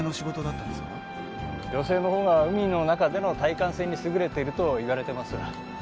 女性の方が海の中での耐寒性に優れているといわれてます。